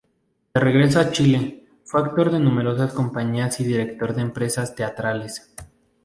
De regreso a Chile, fue actor de numerosas compañías y director de empresas teatrales.